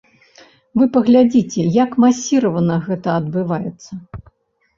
Вы паглядзіце, як масіравана гэта адбываецца.